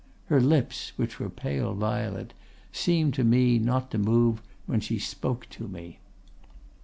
Her lips, which were pale violet, seemed to me not to move when she spoke to me.